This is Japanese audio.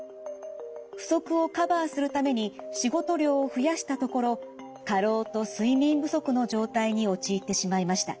不足をカバーするために仕事量を増やしたところ過労と睡眠不足の状態に陥ってしまいました。